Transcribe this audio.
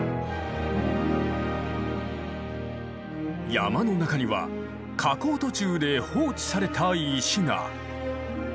山の中には加工途中で放置された石が。